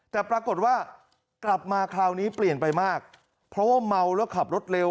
แต่ปรากฏว่ากลับมาคราวนี้เปลี่ยนไปมากเพราะว่าเมาแล้วขับรถเร็ว